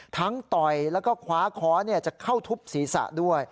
ทั้งต่อยแล้วก็คว้าค้อเนี่ยจะเข้าทุบศีรษะด้วย